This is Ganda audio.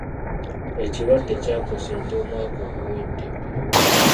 Ekirwadde kyakosa ente omwaka oguwedde.